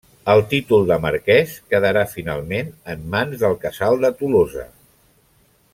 El títol de marquès quedarà finalment en mans del casal de Tolosa.